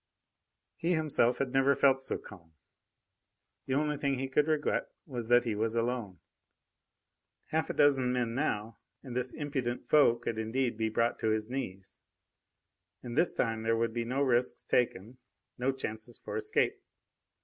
He himself had never felt so calm. The only thing he could regret was that he was alone. Half a dozen men now, and this impudent foe could indeed be brought to his knees. And this time there would be no risks taken, no chances for escape.